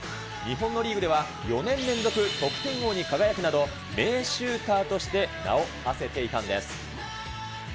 日本のリーグでは、４年連続得点王に輝くなど、名シューターとして名をはせていたんです。